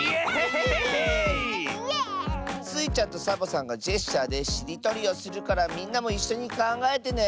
スイちゃんとサボさんがジェスチャーでしりとりをするからみんなもいっしょにかんがえてね！